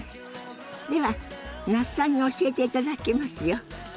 では那須さんに教えていただきますよ。